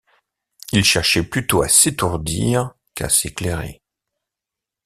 Il cherchait plutôt à s’étourdir qu’à s’éclairer.